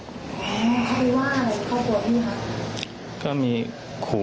อ๋อพี่ว่าอะไรครอบครัวพี่ครับ